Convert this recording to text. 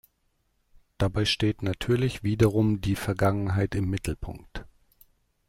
Dabei steht natürlich wiederum die Vergangenheit im Mittelpunkt.